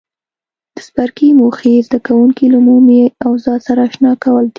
د څپرکي موخې زده کوونکي له عمومي اوضاع سره آشنا کول دي.